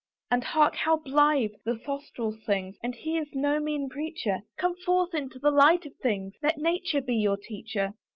And hark! how blithe the throstle sings! And he is no mean preacher; Come forth into the light of things, Let Nature be your teacher.